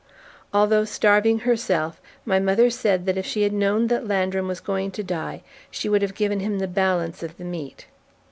Although starving herself, my mother said that if she had known that Landrum was going to die she would have given him the balance of the meat.